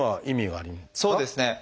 そうですね。